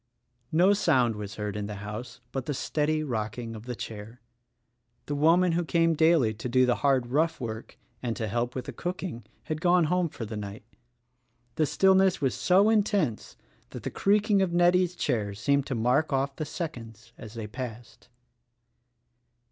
No sound was heard in the house but the steady rock ing of the chair. The woman who came daily to do the hard, rough work — and to help with the cooking — had gone home for the night. The stillness was so intense that the creaking of Nettie's chair seemed to mark off the seconds as they passed.